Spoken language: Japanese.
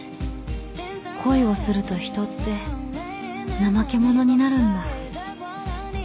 恋をすると人って怠け者になるんだ。